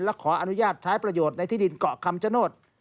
และขออนุญาตใช้ประโยชน์ในที่ดินเกาะคำชโนธ